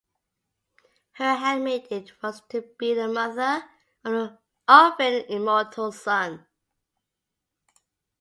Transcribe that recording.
Her handmaiden was to be the mother of an immortal son.